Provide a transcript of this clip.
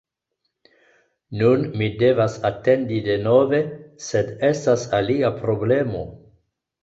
Nun mi devas atendi denove, sed estas alia problemo: